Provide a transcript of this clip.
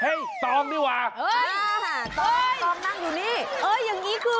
เฮ้ยซ้อมนั่งอยู่นี่เอออย่างนี้คือโอ้โห